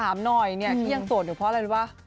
ถามหน่อยเนี่ยที่ยังโสดอยู่เพราะอะไรรู้ป่ะ